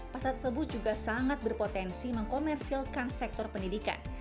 pasal tersebut juga sangat berpotensi mengkomersilkan sektor pendidikan